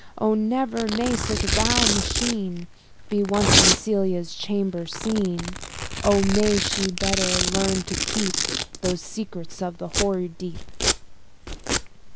O! ne'er may such a vile machine Be once in Celia's chamber seen! O! may she better learn to keep Those "secrets of the hoary deep."